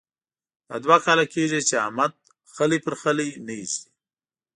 دا دوه کاله کېږې چې احمد خلی پر خلي نه اېږدي.